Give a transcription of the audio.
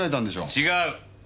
違う！